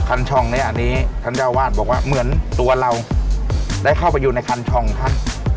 ช่องนี้อันนี้ท่านเจ้าวาดบอกว่าเหมือนตัวเราได้เข้าไปอยู่ในคันช่องท่าน